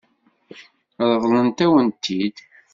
Ṛeḍlent-awen-t-id?